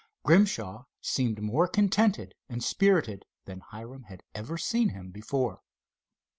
Grimshaw seemed more contented and spirited than Hiram had ever seen him before.